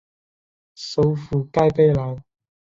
首府盖贝莱。